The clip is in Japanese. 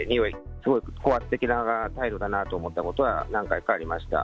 すごく高圧的な態度だなと思ったことは何回かありました。